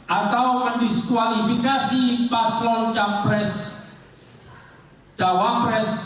atau mendiskualifikasi paslon capres jawa pres satu